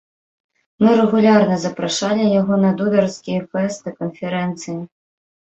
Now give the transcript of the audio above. Мы рэгулярна запрашалі яго на дударскія фэсты, канферэнцыі.